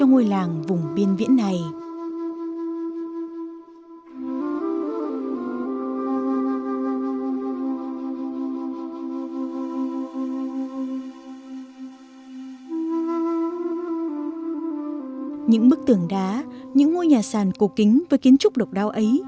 những bức tường đá những ngôi nhà sàn cổ kính với kiến trúc độc đao ấy